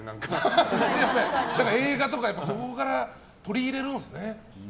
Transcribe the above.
映画とかそこから取り入れるんですね。